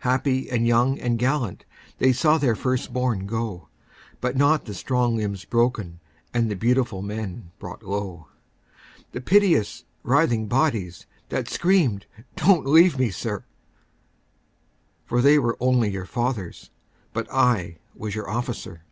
Happy and young and gallant, They saw their first bom go, 41 But not the strong limbs broken And the beautiful men brought low, The piteous writhing bodies, The screamed, " Don't leave me, Sir," For they were only your fathers But I was your officer.